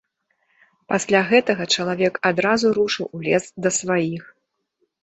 Пасля гэтага чалавек адразу рушыў у лес да сваіх.